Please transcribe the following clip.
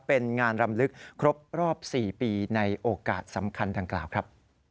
เป็นงานรำลึกครบรอบ๔ปีในโอกาสสำคัญดังกล่าวครับ